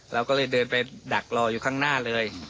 เราก็เลยเดินไปดักรออยู่ข้างหน้าเลย